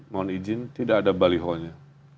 mohon izin tidak ada balihonya